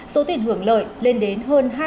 số tiền hưởng lợi lên đến hơn hai